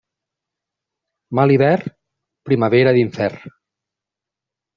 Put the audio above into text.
Mal hivern, primavera d'infern.